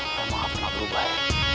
emangnya pernah berubah ya